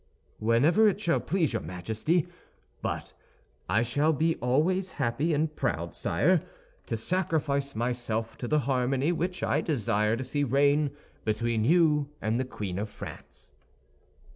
"Whenever it shall please your Majesty; but I shall be always happy and proud, sire, to sacrifice myself to the harmony which I desire to see reign between you and the Queen of France."